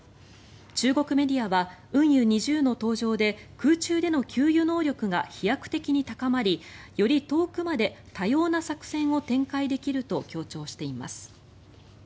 中国メディアは運油２０の登場で空中での給油能力が飛躍的に高まりより遠くまで多様な作戦を展開できると強調しています。